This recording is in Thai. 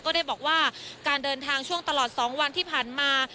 ได้บอกว่าการเดินทางช่วงตลอด๒วันที่ผ่านมา